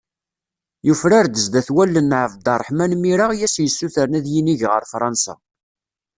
Yufrar-d sdat wallen n ƐAbdeṛṛeḥman Mira i as-yessutren ad yinig ɣer Fṛansa.